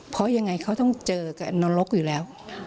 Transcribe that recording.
เพราะยังไงเขาต้องเจอกับนรกอยู่แล้ว